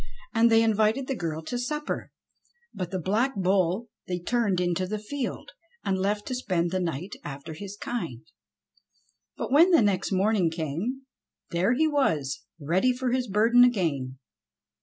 And they invited the girl to supper, but the Black Bull they turned into the field, and left to spend the night after his kind. But when the next morning came there he was ready for his burden again.